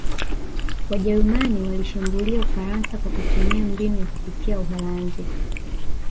Wajerumani walishambulia Ufaransa kwa kutumia mbinu ya kupitia Uholanzi